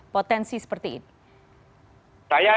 potensi seperti ini